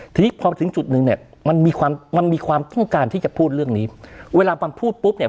ทีนี้พอถึงจุดหนึ่งเนี่ยมันมีความมันมีความต้องการที่จะพูดเรื่องนี้เวลามันพูดปุ๊บเนี่ย